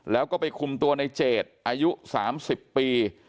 แล้วก็ไปคุมตัวในเจดอายุ๓๐ปี